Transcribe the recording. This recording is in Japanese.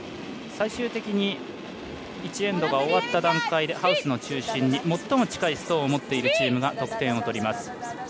最終的に１エンドが終わった段階でハウスの中心に最も近いストーンを持っているチームが得点を取ります。